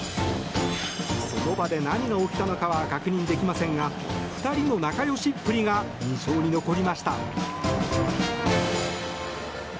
その場で何が起きたのかは確認できませんが２人の仲良しっぷりが印象に残りました。